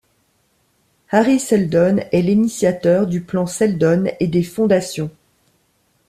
Hari Seldon est l'initiateur du plan Seldon et des Fondations.